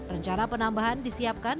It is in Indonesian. rencana penambahan disiapkan